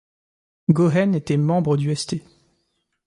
Goheen était membre du St.